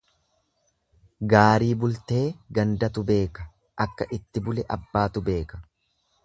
Gaarii bultee gandatu beeka akka itti bule abbaatu beeka.